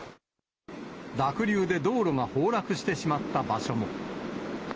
濁流で道路が崩落してしまった場所も。